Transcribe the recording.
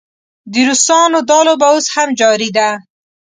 د روسانو دا لوبه اوس هم جاري ده.